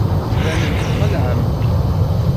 Tettbanem-d txelɛem.